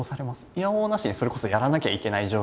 いやおうなしにそれこそやらなきゃいけない状況とか。